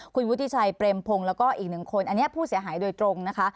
คุณวุฒิชัยเปรมพงศ์แล้วก็อีกหนึ่งคนอันนี้ผู้เสียหายโดยตรงนะคะ